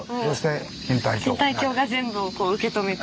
錦帯橋が全部を受け止めた。